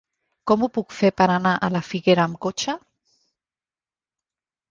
Com ho puc fer per anar a la Figuera amb cotxe?